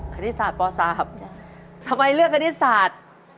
คณิตศาสตร์ป๓ครับทำไมเลือกคณิตศาสตร์